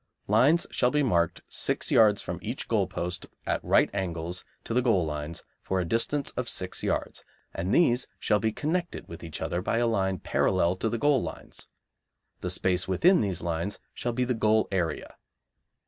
Lines shall be marked six yards from each goal post at right angles to the goal lines for a distance of six yards, and these shall be connected with each other by a line parallel to the goal lines; the space within these lines shall be the goal area.